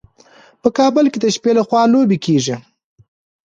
په کابل کې د شپې لخوا لوبې کیږي.